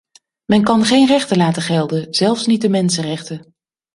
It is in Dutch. Men kan geen rechten laten gelden, zelfs niet de mensenrechten.